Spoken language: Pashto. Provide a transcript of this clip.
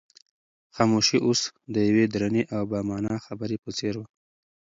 خاموشي اوس د یوې درنې او با مانا خبرې په څېر وه.